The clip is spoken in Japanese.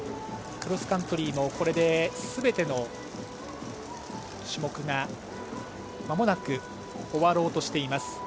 クロスカントリーもこれですべての種目がまもなく終わろうとしています。